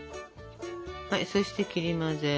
そして切り混ぜ。